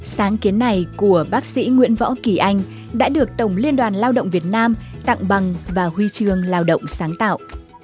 sáng kiến này của bác sĩ nguyễn võ kỳ anh đã được tổng liên đoàn lao động việt nam tặng bằng và huy trường lao động sáng tạo